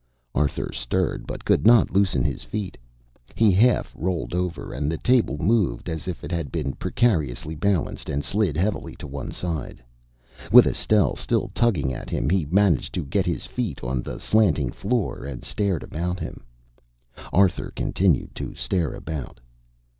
Arthur stirred, but could not loosen his feet. He half rolled over, and the table moved as if it had been precariously balanced, and slid heavily to one side. With Estelle still tugging at him, he managed to get to his feet on the slanting floor and stared about him. Arthur continued to stare about.